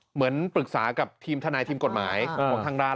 เหมือนปรึกษากับทีมทนายทีมกฎหมายของทางร้าน